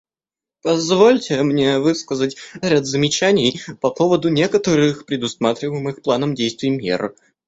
Позвольте мне высказать ряд замечаний по поводу некоторых предусматриваемых планом действий мер.